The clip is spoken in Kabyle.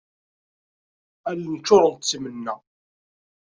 Allen ččurent d timenna.